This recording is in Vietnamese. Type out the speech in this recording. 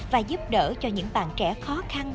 và giúp đỡ cho những bạn trẻ khó khăn